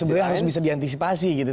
sebenarnya harus bisa diantisipasi gitu